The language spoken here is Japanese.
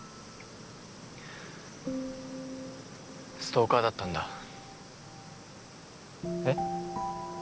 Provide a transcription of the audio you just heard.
ストーカーだったんだ。え？